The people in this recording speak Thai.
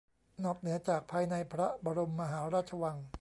นอกเหนือจากภายในพระบรมมหาราชวัง